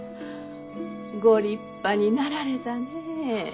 ご立派になられたねえ。